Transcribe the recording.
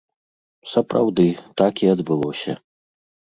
Сапраўды, так і адбылося.